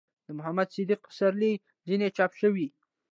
،د محمد صديق پسرلي ځينې چاپ شوي